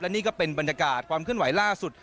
นี่ก็เป็นบรรยากาศความเคลื่อนไหวล่าสุด